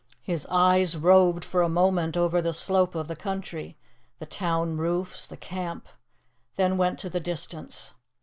His eyes roved for a moment over the slope of the country, the town roofs, the camp, then went to the distance.